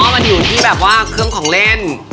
มันอยู่ที่เขื่องของเล่น